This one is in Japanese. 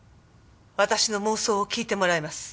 私の妄想を聞いてもらいます。